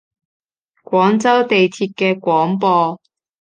廣州地鐵嘅廣播